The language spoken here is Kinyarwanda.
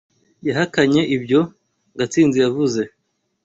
Yahakanye ibyo. Gatsinzi yavuze